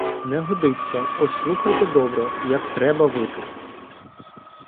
— Не годиться! Ось слухайте добре, як треба вити!